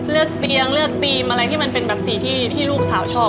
เลือกเตียงเลือกธีมอะไรที่มันเป็นแบบสีที่ลูกสาวชอบ